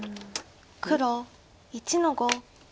黒１の五。